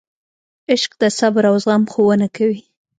عشق د صبر او زغم ښوونه کوي.